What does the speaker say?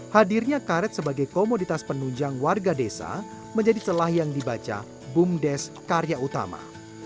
hadirnya karet sebagai komoditas penunjang warga desa menjadi celah yang dibaca bumdes karya utama